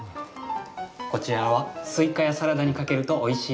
こちらはスイカやサラダにかけるとおいしいお塩。